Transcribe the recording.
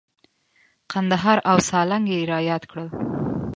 کندهار او سالنګ یې را یاد کړل.